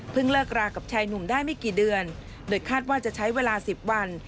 เลิกรากับชายหนุ่มได้ไม่กี่เดือนโดยคาดว่าจะใช้เวลา๑๐วัน